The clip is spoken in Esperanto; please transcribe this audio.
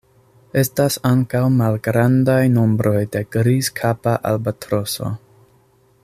Estas ankaŭ malgrandaj nombroj de Grizkapa albatroso.